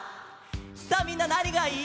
さあみんななにがいい？